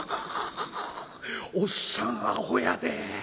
おっさんあほやで。